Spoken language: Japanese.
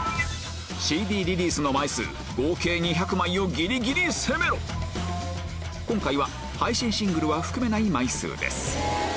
ＣＤリリースの枚数合計２００枚をギリギリ攻めろ今回は配信シングルは含めない枚数です